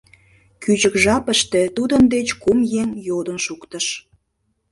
Кӱчык жапыште тудын деч кум еҥ йодын шуктыш: